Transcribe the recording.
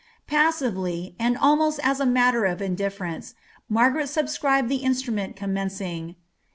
^Paasively. and almost as a matter of indiflerence, Margaret subscribe"! wtt innrnment commencing.